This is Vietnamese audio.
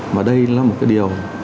mà đây là một cái điều